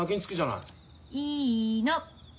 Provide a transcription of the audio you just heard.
いいの。